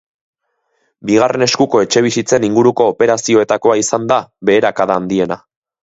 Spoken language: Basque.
Bigarren eskuko etxebizitzen inguruko operazioetakoa izan da beherakada handiena.